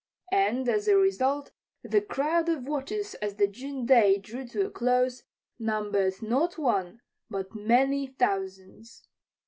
And, as a result, the crowd of watchers as the June day drew to a close numbered not one, but many, thousands.